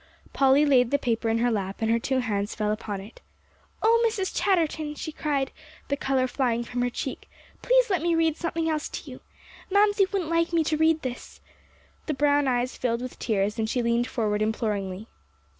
Polly laid the paper in her lap, and her two hands fell upon it. "Oh, Mrs. Chatterton," she cried, the color flying from her cheek, "please let me read something else to you. Mamsie wouldn't like me to read this." The brown eyes filled with tears, and she leaned forward imploringly.